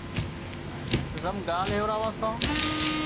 زم ڳاهَه ليوراوان سان